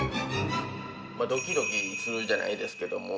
ドキドキするじゃないですけども。